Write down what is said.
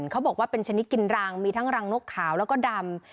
เขาบอกว่าเป็นชนิดกินรังมีทั้งรังนกขาวแล้วก็ดำ